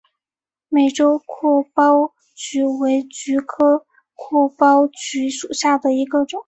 美洲阔苞菊为菊科阔苞菊属下的一个种。